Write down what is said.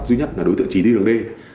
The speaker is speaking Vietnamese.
đối tượng chỉ đi đường d